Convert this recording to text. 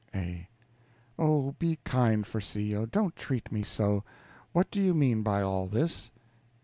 A. Oh, be kind, Farcillo, don't treat me so. What do you mean by all this?